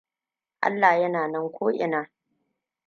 Allah yana nan ko ina.